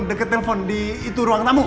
deket telpon di itu ruang tamu